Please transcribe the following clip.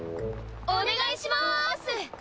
お願いします！